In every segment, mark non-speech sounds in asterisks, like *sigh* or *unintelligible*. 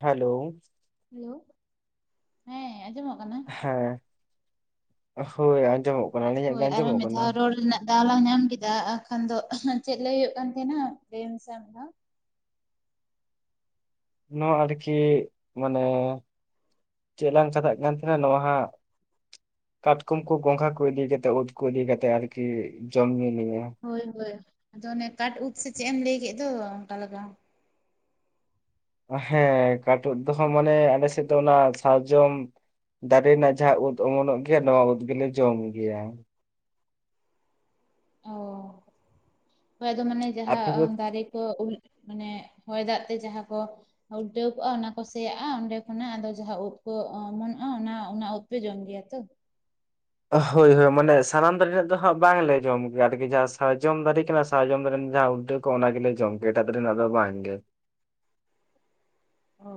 Hello, hello, ᱦᱮᱸ ᱟᱸᱡᱚᱢᱚᱜ ᱠᱟᱱᱟ᱾ ᱦᱮᱸ ᱦᱳᱭ ᱟᱸᱡᱚᱢᱚᱜ ᱠᱟᱱᱟ ᱟᱹᱞᱤᱧᱟᱜ ᱜᱮ ᱦᱳᱭ ᱟᱨᱚ ᱟᱸᱡᱚᱢᱚᱜ ᱢᱤᱫ ᱠᱟᱱᱟ ᱫᱷᱟᱣ ᱨᱚᱲ ᱨᱮᱱᱟᱜ ᱫᱟᱣ ᱞᱟᱝ ᱧᱟᱢ ᱠᱮᱫᱟ ᱟᱨ ᱠᱷᱟᱱ ᱫᱚ ᱪᱮᱫ ᱞᱟᱹᱭ ᱦᱩᱭᱩᱜ ᱠᱟᱱ ᱛᱟᱦᱮᱸᱱᱟ ᱞᱟᱹᱭ ᱢᱮᱥᱮ ᱟᱨ ᱢᱤᱫ ᱫᱷᱟᱣ? ᱱᱚᱣᱟ ᱟᱰᱠᱤ ᱢᱟᱱᱮ ᱪᱮᱫ ᱞᱟᱝ ᱪᱟᱠᱟᱜ ᱠᱟᱱ ᱛᱟᱦᱮᱸᱱᱟ ᱱᱚᱣᱟ ᱦᱟᱸᱜ, ᱠᱟᱴᱠᱚᱢ ᱠᱚ ᱜᱚᱸᱜᱷᱟ ᱠᱚ ᱤᱫᱤ ᱠᱟᱛᱮᱜ ᱩᱫ ᱠᱚ ᱤᱫᱤ ᱠᱟᱛᱮᱜ ᱟᱨᱠᱤ ᱡᱚᱢ ᱧᱩ ᱱᱤᱭᱟᱹ ᱦᱳᱭ ᱦᱳᱭ ᱟᱫᱚ ᱱᱮ ᱠᱟᱴ ᱩᱫ ᱥᱮ ᱪᱮᱜ ᱮᱢ ᱞᱟᱹᱭ ᱠᱮᱜ ᱫᱚ ᱚᱱᱠᱟ ᱞᱟᱠᱟ᱾ ᱦᱮᱸ ᱠᱟᱴ ᱩᱫ ᱫᱚᱦᱚ ᱢᱟᱱᱮ ᱟᱞᱮ ᱥᱮᱜ ᱫᱚ ᱚᱱᱟ ᱥᱟᱨᱡᱚᱢ, ᱫᱟᱨᱮ ᱨᱮᱱᱟᱜ ᱡᱟᱦᱟᱸ ᱩᱫ ᱚᱢᱚᱱᱚᱜ ᱜᱮᱭᱟ ᱱᱚᱣᱟ ᱩᱫ ᱜᱮᱞᱮ ᱡᱚᱢ ᱜᱮᱭᱟ᱾ ᱚ, ᱦᱳᱭ ᱟᱫᱚ ᱢᱟᱱᱮ ᱡᱟᱦᱟᱸ ᱟᱯᱮ ᱫᱚ ᱚᱸ ᱫᱟᱨᱮ ᱠᱚ ᱩᱞ ᱢᱟᱱᱮ ᱦᱚᱭ ᱫᱟᱜᱽ ᱛᱮ ᱡᱟᱦᱟᱸ ᱠᱚ ᱩᱞᱴᱟᱹᱣ ᱠᱚᱜᱼᱟ ᱚᱱᱟ ᱠᱚ ᱥᱮᱭᱟᱜᱼᱟ ᱚᱸᱰᱮ ᱠᱷᱚᱱᱟᱜ ᱟᱫᱚ ᱡᱟᱦᱟᱸ ᱩᱫ ᱠᱚ ᱚᱢᱚᱱᱚᱜᱼᱟ ᱚᱱᱟ ᱚᱱᱟ ᱩᱫ ᱯᱮ ᱡᱚᱢ ᱜᱮᱭᱟ ᱛᱚ? ᱦᱳᱭ ᱦᱳᱭ ᱢᱟᱱᱮ ᱥᱟᱱᱟᱢ ᱫᱟᱨᱮ ᱨᱮᱱᱟᱜ ᱫᱚ ᱦᱟᱸᱜ ᱵᱟᱝᱞᱮ ᱡᱚᱢ ᱜᱮᱭᱟ ᱟᱨᱠᱤ ᱡᱟᱦᱟᱸ ᱥᱟᱨᱡᱚᱢ ᱫᱟᱨᱮ ᱠᱟᱱᱟ ᱥᱟᱨᱡᱚᱢ ᱫᱟᱨᱮ ᱨᱮᱱᱟᱜ ᱡᱟᱦᱟᱸ ᱩᱫ ᱫᱚ ᱠᱚ ᱚᱱᱟ ᱜᱮᱞᱮ ᱡᱚᱢ ᱠᱮ ᱮᱴᱟᱜ ᱫᱟᱨᱮ ᱨᱮᱱᱟᱜ ᱫᱚ ᱵᱟᱝᱜᱮ᱾ ᱚ,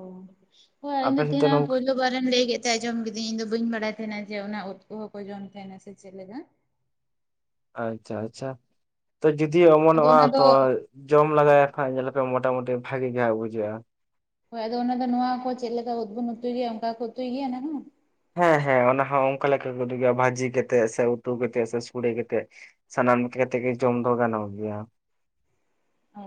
ᱦᱳᱭ ᱤᱧ ᱟᱯᱮ ᱫᱚ ᱥᱮᱫ ᱛᱮᱦᱮᱸᱱ ᱟᱨᱚ ᱱᱚᱝᱠᱟ ᱯᱩᱭᱞᱳ ᱵᱟᱨᱮᱢ ᱞᱟᱹᱭ ᱠᱮᱫ ᱛᱮ ᱟᱸᱡᱚᱢ ᱠᱤᱫᱤᱧ ᱤᱧ ᱫᱚ ᱵᱟᱹᱧ ᱵᱟᱲᱟᱭ ᱛᱟᱦᱮᱸᱱᱟ ᱡᱮ ᱚᱱᱟ ᱩᱫ ᱠᱚᱦᱚᱸ ᱠᱚ ᱡᱚᱢ ᱛᱟᱦᱮᱸᱱᱟ ᱥᱮ ᱪᱮᱜ ᱞᱮᱠᱟ᱾ ᱟᱪᱪᱷᱟ ᱟᱪᱪᱷᱟ ᱛᱚ ᱡᱩᱫᱤᱭᱚ ᱟᱫᱚ ᱚᱢᱚᱱᱚᱜᱼᱟ ᱚᱱᱟ ᱫᱚ ᱛᱚ ᱡᱚᱢ ᱞᱮᱟᱜᱟᱭᱟ ᱟᱠᱷᱟᱭ ᱧᱮᱞᱟᱯᱮ ᱢᱚᱴᱟᱢᱩᱴᱤ ᱵᱷᱟᱜᱤ ᱜᱮ ᱦᱟᱸᱜ ᱵᱩᱡᱷᱟᱹᱜᱼᱟ᱾ ᱦᱳᱭ ᱟᱫᱚ ᱚᱱᱟ ᱫᱚ ᱱᱚᱣᱟ ᱠᱚ ᱪᱮᱜ ᱞᱮᱠᱟ ᱩᱫ ᱵᱚᱱ ᱩᱛᱩᱭ ᱜᱮᱭᱟ ᱚᱱᱠᱟ ᱠᱚ ᱩᱛᱩᱭ ᱜᱮᱭᱟ ᱚᱱᱟᱦᱚᱸ? ᱦᱮᱸ ᱦᱮᱸ ᱚᱱᱟ ᱦᱚᱸ ᱚᱱᱠᱟ ᱞᱮᱠᱟ ᱠᱚ ᱩᱛᱩᱭ ᱜᱮᱭᱟ ᱵᱷᱟᱹᱡᱤ ᱠᱟᱛᱮᱜ ᱥᱮ ᱩᱛᱩ ᱠᱟᱛᱮᱜ ᱥᱮ ᱥᱚᱲᱮ ᱠᱟᱛᱮᱜ᱾ ᱥᱟᱱᱟᱢ ᱞᱮᱠᱟ ᱛᱮᱜᱮ ᱡᱚᱢ ᱫᱚ ᱜᱟᱱᱚᱜ ᱜᱮᱭᱟ᱾ ᱚ